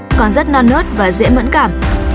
nó còn rất non nớt và dễ mẫn cảm